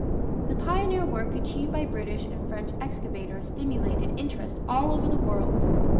The pioneer work achieved by British and French excavators stimulated interest all over the world.